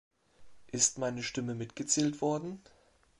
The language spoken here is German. Ist meine Stimme mitgezählt worden?